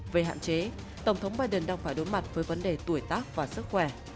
về hạn chế tổng thống biden đang phải đối mặt với vấn đề tuổi tác và sức khỏe